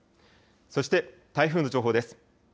そして台風の情報です。